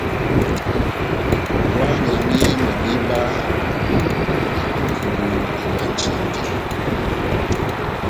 Ohányamiyɛhɛ madíba, epupudu ebánjindi.